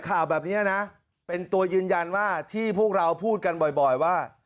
ข่าวแบบนี้นะเป็นตัวยืนยันว่าที่พวกเราพูดกันบ่อยว่า